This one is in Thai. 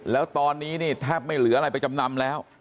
แล้วตอนนี้นี่แทบไม่เหลืออะไรไปจำนำแล้ว